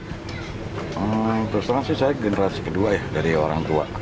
hmm terus terang sih saya generasi kedua ya dari orang tua